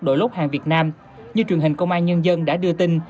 đội lốt hàng việt nam như truyền hình công an nhân dân đã đưa tin